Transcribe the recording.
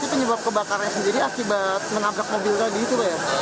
jadi penyebab kebakarnya sendiri akibat mengabrak mobil tadi itu pak ya